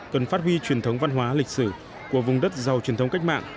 cần phát huy truyền thống văn hóa lịch sử của vùng đất giàu truyền thống cách mạng